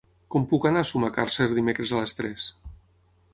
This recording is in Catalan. Com puc anar a Sumacàrcer dimecres a les tres?